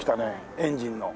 エンジンの。